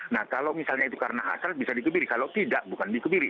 nah kalau misalnya itu karena hasrat bisa dikebiri kalau tidak bukan dikebiri